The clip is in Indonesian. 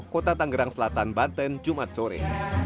kota tanggerang selatan banten jumat sore